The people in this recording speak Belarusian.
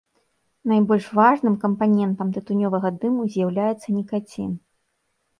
Найбольш важным кампанентам тытунёвага дыму з'яўляецца нікацін.